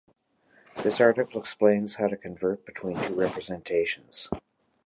This article explains how to convert between the two representations.